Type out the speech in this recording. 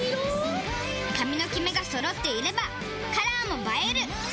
髪のキメがそろっていればカラーも映える！